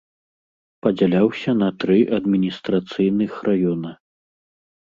Падзяляўся на тры адміністрацыйных раёна.